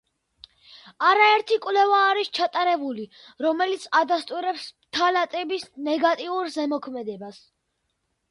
არაერთი კვლევა არის ჩატარებული, რომელიც ადასტურებს ფტალატების ნეგატიურ ზემოქმედებას